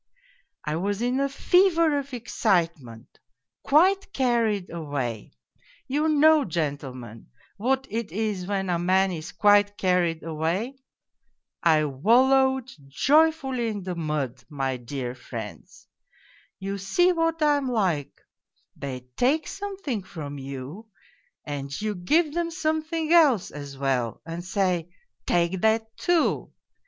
I was in a fever of excitement, quite carried away you know, gentlemen, what it is when a man is quite carried away ? I wallowed jo}^fully in the mud, my dear friends. You see what I am like; they take something from you, and you give them something else as well and say, ' Take that, too.'